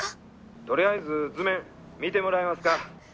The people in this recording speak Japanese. ☎とりあえず図面見てもらえますか？